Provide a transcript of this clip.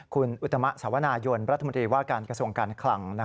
คุณอุตมะสวนายนรัฐมนตรีว่าการกระทรวงการคลัง